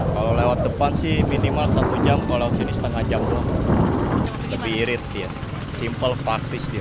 kalau lewat depan sih minimal satu jam kalau lewat sini setengah jam lebih irit dia simple praktis dia